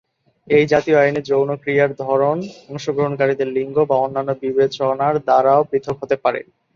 এই জাতীয় আইনে যৌন ক্রিয়ার ধরন, অংশগ্রহণকারীদের লিঙ্গ বা অন্যান্য বিবেচনার দ্বারাও পৃথক হতে পারে।